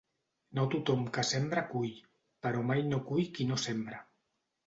No tothom que sembra cull, però mai no cull qui no sembra.